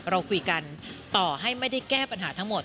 เราคุยกันต่อให้ไม่ได้แก้ปัญหาทั้งหมด